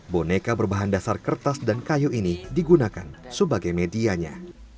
boneka berbahan dasar kertas dan kayu ini digunakan sebagai medianya